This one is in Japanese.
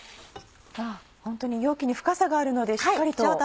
本当に容器に深さがあるのでしっかりと。